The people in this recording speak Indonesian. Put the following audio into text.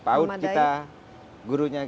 pastikan paut kita gurunya gitu